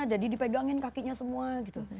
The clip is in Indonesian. jadi dipegangin kakinya semua gitu